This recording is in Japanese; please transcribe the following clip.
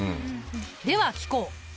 では聞こう。